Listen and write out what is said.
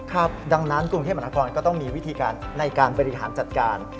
ครับดังนั้นกรุงเทพมหานครก็ต้องมีวิธีการในการบริหารจัดการ